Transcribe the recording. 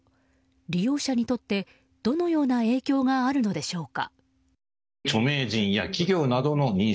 利用者にとってどのような影響があるのでしょうか。